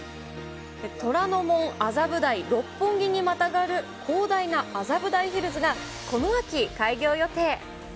虎ノ門、麻布台、六本木にまたがる、広大な麻布台ヒルズがこの秋、開業予定。